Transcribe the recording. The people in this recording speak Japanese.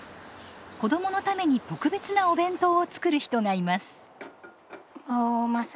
子供のために特別なお弁当を作る人がいます。